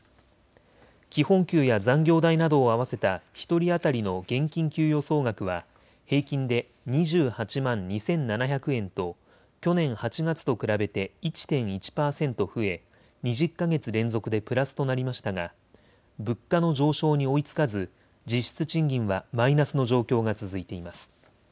基本給や残業代などを合わせた１人当たりの現金給与総額は平均で２８万２７００円と去年８月と比べて１．１％増え２０か月連続でプラスとなりましたが物価の上昇に追いつかず実質賃金はマイナスの状況が続いています。